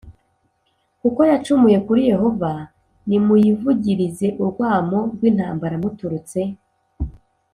kuko yacumuye kuri Yehova Nimuyivugirize urwamo rw intambara muturutse